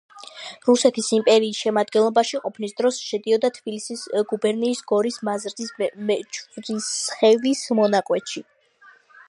რუსეთის იმპერიის შემადგენლობაში ყოფნის დროს შედიოდა თბილისის გუბერნიის გორის მაზრის მეჯვრისხევის მონაკვეთში.